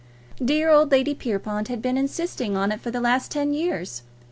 Dear old Lady Pierrepoint had been insisting on it for the last ten years.